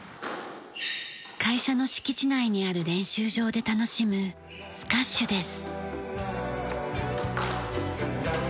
会社の敷地内にある練習場で楽しむスカッシュです。